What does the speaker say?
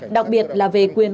đặc biệt là về quyền